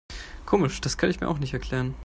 Komisch, das kann ich mir auch nicht erklären.